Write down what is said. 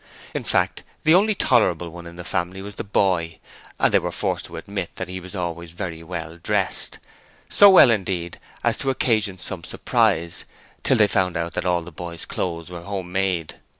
In fact, the only tolerable one of the family was the boy, and they were forced to admit that he was always very well dressed; so well indeed as to occasion some surprise, until they found out that all the boy's clothes were home made.